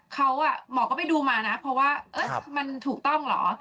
เขาหมอก็ไปดูมานะเพราะว่ามันถูกต้องเหรอ